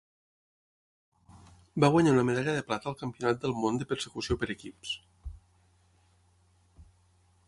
Va guanyar una medalla de plata al Campionat del món de Persecució per equips.